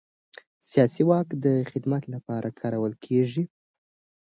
سیاسي واک د خدمت لپاره کارول کېږي